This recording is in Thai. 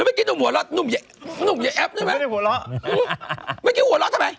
อ่าหาหัวเราะหน่อยเห้ยหัวเราะทำไม